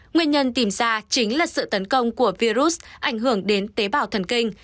nguyên nhân tìm ra chính là sự tấn công của virus ảnh hưởng đến tế bào thần kinh